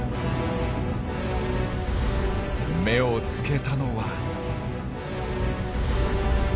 目を付けたのは。